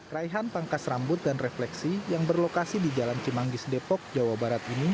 raihan pangkas rambut dan refleksi yang berlokasi di jalan cimanggis depok jawa barat ini